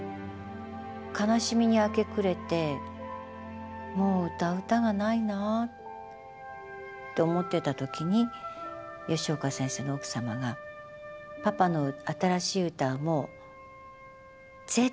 悲しみに明け暮れて「もう歌う歌がないな」って思ってた時に吉岡先生の奥様が「パパの新しい歌はもう絶対に二度と生まれません。